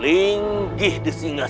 tinggal di sana prabu